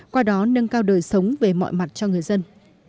qua đó nâng cao đời sống về mọi mặt cho người dân